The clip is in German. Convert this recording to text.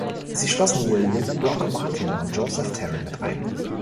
Sie schlossen William „Rock“ Martin und Joseph Terry mit ein.